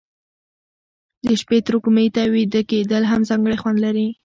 د شپې تروږمي ته ویده کېدل هم ځانګړی خوند لري.